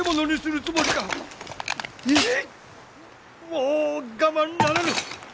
もう我慢ならぬ！